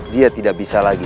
dia tidak bisa lagi